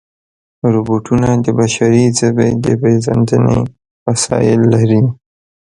روبوټونه د بشري ژبې د پېژندنې وسایل لري.